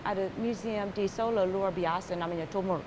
ada museum di solo luar biasa namanya tumor